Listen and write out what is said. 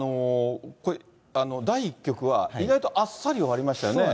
第１局は、意外とあっさり終わりましたよね。